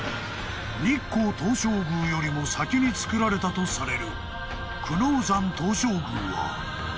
［日光東照宮よりも先に造られたとされる］